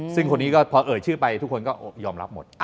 ซึ่งคนนี้ก็พอเอ่ยชื่อไปทุกคนก็ยอมรับหมด